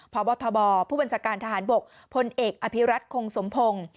พบทบผู้บัญชาการทหารบกพลเอกอภิรัตคงสมพงศ์